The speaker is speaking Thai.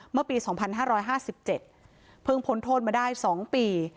เมื่อปี๒๕๕๗เพิ่งพ้นโทษมาได้๒ปี